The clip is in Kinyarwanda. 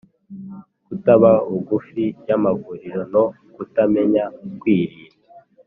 kutaba bugufi y’amavuriro no kutamenya kwirinda,